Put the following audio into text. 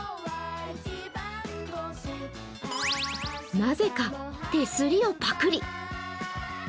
なぜか、手すりをパクり。